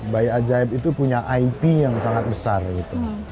bayi ajaib itu punya ip yang sangat besar gitu